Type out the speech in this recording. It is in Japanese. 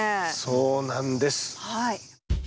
そうなんです。